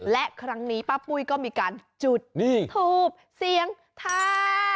และครั้งนี้ป้าปุ้ยก็มีการจุดทูบเสียงทา